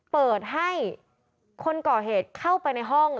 เปิดให้คนก่อเหตุเข้าไปในห้อง